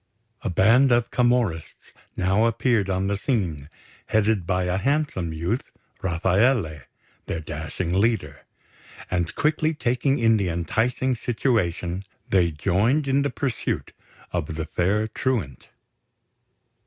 A band of Camorrists now appeared on the scene, headed by a handsome youth, Rafaele, their dashing leader; and quickly taking in the enticing situation, they joined in the pursuit of the fair truant.